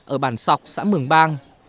ở bàn sọc xã mường bang